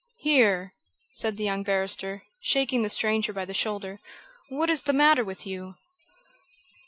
"Here!" said the young barrister, shaking the stranger by the shoulder, "what is the matter with you?"